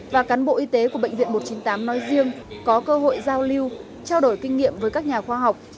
và cán bộ y tế của bệnh viện một trăm chín mươi tám nói riêng có cơ hội giao lưu trao đổi kinh nghiệm với các nhà khoa học